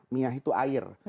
miyah itu air